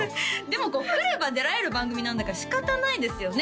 でも来れば出られる番組なんだから仕方ないですよね